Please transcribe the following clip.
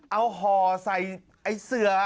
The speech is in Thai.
เอาห่อใส่ไอ้เสือ